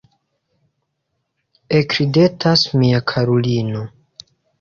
Ekridetas mia karulino.